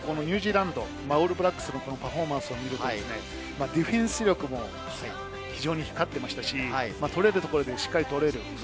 オールブラックスのパフォーマンスを見ると、ディフェンス力も光っていましたし、取れるところでしっかり取れる。